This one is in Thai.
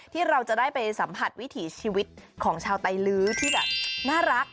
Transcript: ที่เราจะได้ไปสัมผัสวิถีชีวิตของชาวไตลื้อที่แบบน่ารัก